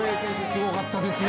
すごかったですね。